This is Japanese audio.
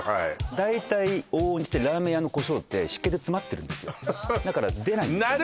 大体往々にしてラーメン屋の胡椒ってしっけて詰まってるんですよだから出ないんですよね